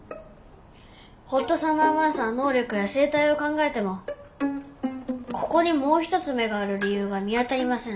「ホットサマー・マーサ」の「能力」や「生態」を考えてもここにもう一つ「目」がある「理由」が見当たりません。